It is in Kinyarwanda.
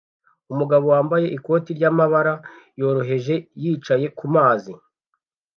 Umugabo wambaye ikoti ryamabara yoroheje yicaye kumazi